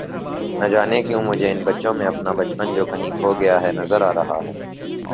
نجانے کیوں مجھے ان بچوں میں اپنا بچپن جو کہیں کھو گیا ہے نظر آ رہا تھا